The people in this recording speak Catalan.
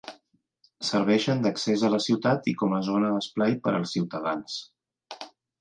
Serveixen d'accés a la ciutat i com a zona d'esplai per als ciutadans.